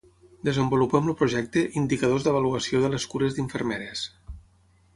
Desenvolupem el projecte "Indicadors d'avaluació de les cures d'infermeres"